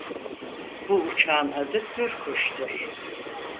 Bu uçağın adı Hürkuş'tur.